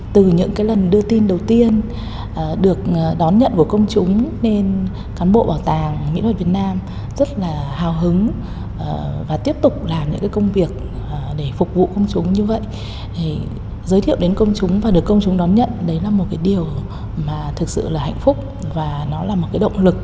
từ những lần đưa tin đầu tiên được đón nhận của công chúng nên cán bộ bảo tàng mỹ thuật việt nam rất là hào hứng và tiếp tục làm những công việc để phục vụ công chúng như vậy